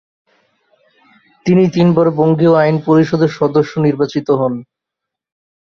তিনি তিনবার বঙ্গীয় আইন পরিষদের সদস্য নির্বাচিত হন।